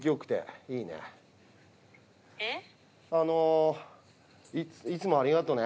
あのいつもありがとね